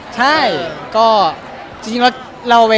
อธหัสดีครับ